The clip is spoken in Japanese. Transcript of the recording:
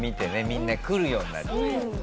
みんな来るようになった。